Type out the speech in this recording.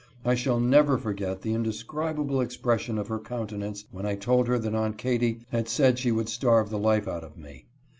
I shall never forget the inde scribable expression of her countenance when I told her that Aunt Katy had said she would starve the life out of me.